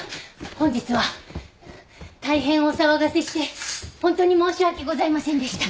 本日は大変お騒がせしてホントに申し訳ございませんでした。